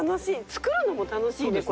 作るのも楽しいねこれ。